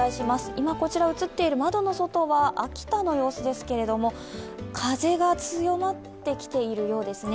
今、こちら映っている窓の外は秋田の様子ですけど風が強まってきているようですね。